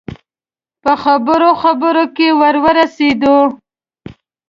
په خبرو خبرو کې ور ورسېدو.